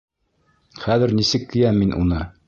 Хәҙер нисек кейәм мин уны?